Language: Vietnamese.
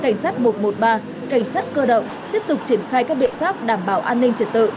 cảnh sát giao thông trật tự cảnh sát một trăm một mươi ba cảnh sát cơ động tiếp tục triển khai các biện pháp đảm bảo an ninh trật tự